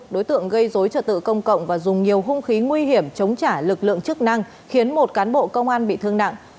đối tượng gây dối trật tự công cộng và dùng nhiều hung khí nguy hiểm chống trả lực lượng chức năng khiến một cán bộ công an bị thương nặng